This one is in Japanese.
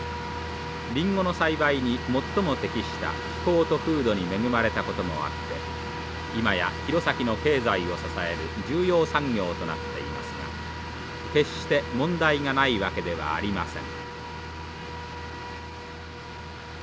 リンゴの栽培に最も適した気候と風土に恵まれたこともあって今や弘前の経済を支える重要産業となっていますが決して問題がないわけではありません。